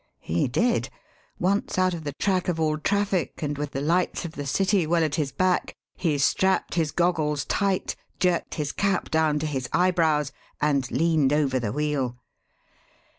He did. Once out of the track of all traffic, and with the lights of the city well at his back, he strapped his goggles tight, jerked his cap down to his eyebrows, and leaned over the wheel.